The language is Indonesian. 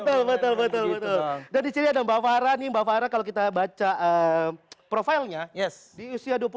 betul betul jadi di sini ada mbak farah mbak farah kalau kita baca profilnya yes diusia dua puluh enam